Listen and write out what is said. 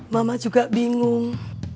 mama juga bingung